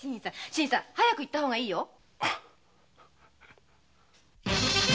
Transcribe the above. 早く行った方がいいよ。